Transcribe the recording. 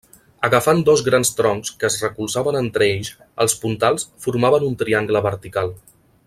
Agafant dos grans troncs que es recolzaven entre ells, els puntals, formaven un triangle vertical.